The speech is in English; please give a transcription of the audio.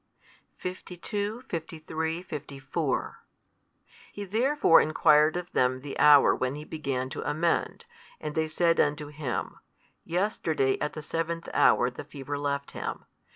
52, 53, 54 He therefore enquired of them the hour when he began to amend; and they said unto him, Yesterday at the seventh hour the fever left him.